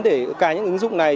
để cài những ứng dụng này